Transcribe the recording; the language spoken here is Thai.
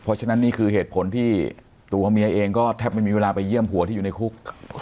เพราะฉะนั้นนี่คือเหตุผลที่ตัวเมียเองก็แทบไม่มีเวลาไปเยี่ยมผัวที่อยู่ในคุก